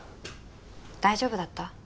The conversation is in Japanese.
大丈夫だった？